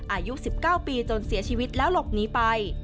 อายุ๑๙ปีจนเสียชีวิตแล้วหลบหนีไป